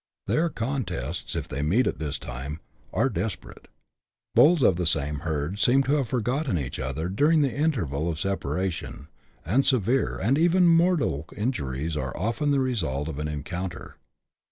Their contests, if they meet at this time, are despe rate. Bulls of the same herd seem to have forgotten each other during the interval of separation, and severe, and even mortal injuries are often the result of an encounter.